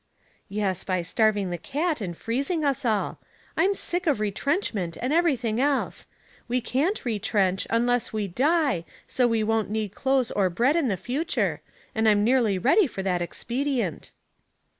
" Yes, by starving the cat and freezing us all. I'm sick of retrenchment and everything else. We can't retrench unless we die,, so we won't need clothes or bread in the future, and I'm nearly ready for that expedient."